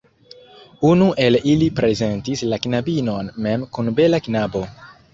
Unu el ili prezentis la knabinon mem kun bela knabo.